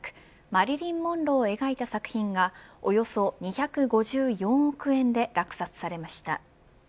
マリリン・モンローを描いた作品がおよそ２５４億円で落札されました。